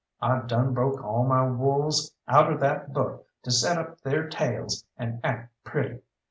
I done broke all my wolves outer that book to set up on their tails and act pretty.